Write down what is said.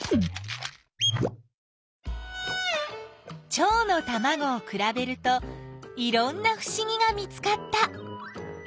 チョウのたまごをくらべるといろんなふしぎが見つかった。